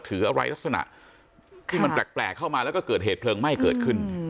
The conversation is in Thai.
ที่มันแปลกเข้ามาแล้วก็เกิดเหตุเผลิงไหม้เกิดขึ้น